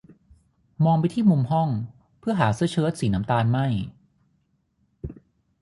มองไปที่มุมห้อง เพื่อหาเสื้อเชิ๊ตสีน้ำตาลไหม้